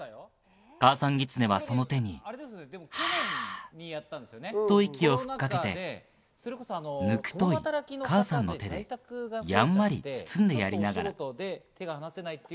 母さんギツネはその手にはぁっと息を吹きかけ、ぬくい母さんの手でやんわり包んでやりながら。